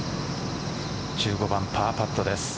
１５番パーパットです。